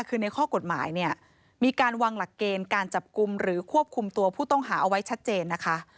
คือในข้อกฎหมายเนี่ยมีการวางหลักเกณฑ์การจับกลุ่มหรือควบคุมตัวผู้ต้องหาเอาไว้ชัดเจนนะคะ